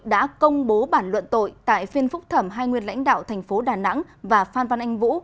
đã công bố bản luận tội tại phiên phúc thẩm hai nguyên lãnh đạo thành phố đà nẵng và phan văn anh vũ